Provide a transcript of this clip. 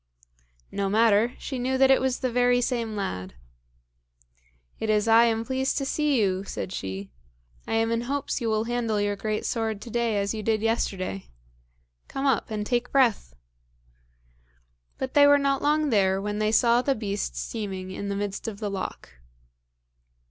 No matter; she knew that it was the very same lad. "It is I am pleased to see you," said she. "I am in hopes you will handle your great sword to day as you did yesterday. Come up and take breath." But they were not long there when they saw the beast steaming in the midst of the loch.